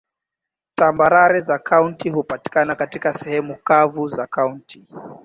Tambarare za kaunti hupatikana katika sehemu kavu za kaunti.